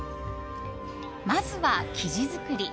まずは、生地作り。